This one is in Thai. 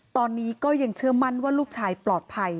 ตอนนี้ก็ยังเชื่อมั่นว่าลูกชายปลอดภัย